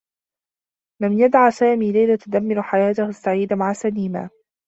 لن يدع سامي ليلى تدمّر حياته السّعيدة مع سليمة.